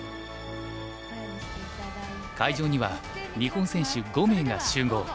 会場には日本選手５名が集合。